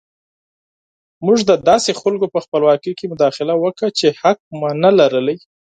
موږ د داسې خلکو په خپلواکۍ کې مداخله وکړه چې حق مو نه درلود.